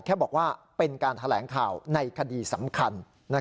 แค่บอกว่าเป็นการแถลงข่าวในคดีสำคัญ